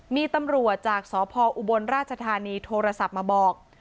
มีตำรวจจากสพออุบลราชธานีโทรศัพท์มาบอก